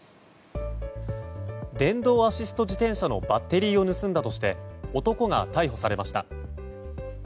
電動アシスト自転車のバッテリーを盗んだとして男が逮捕されました。